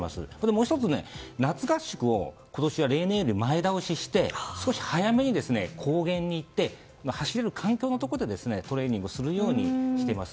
もう１つ、夏合宿を今年は例年より前倒しして少し早めに、高原に行って走れる環境でトレーニングするようにしています。